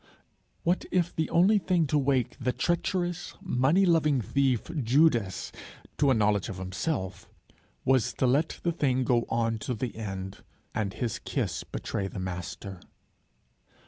What if the only thing to wake the treacherous, money loving thief, Judas, to a knowledge of himself, was to let the thing go on to the end, and his kiss betray the Master?